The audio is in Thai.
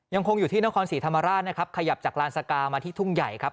ยังคงอยู่ที่นครศรีธรรมราชนะครับขยับจากลานสกามาที่ทุ่งใหญ่ครับ